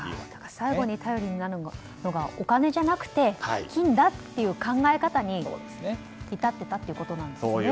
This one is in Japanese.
最後に頼りになるのがお金じゃなくて金だっていう考え方に至っていたということですね。